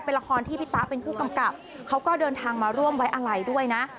เป็นละครที่พี่ตะเป็นผู้กำกับเขาก็เดินทางมาร่วมไว้อะไรด้วยนะ